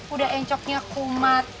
udah encoknya kumat